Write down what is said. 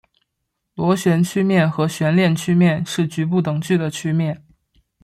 螺旋曲面和悬链曲面是局部等距的曲面。